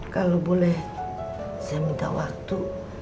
kalau boleh saya minta waktu